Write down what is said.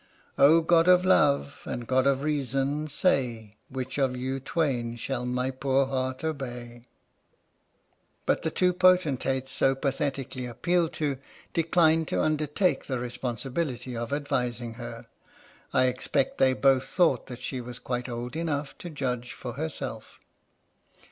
Oh, god of Love and god of Reason — say Which of you twain shall my poor heart obey? But the two potentates, so pathetically appealed to, declined to undertake the responsibility of ad vising her. I expect they both thought that she was quite old enough to judge for herself.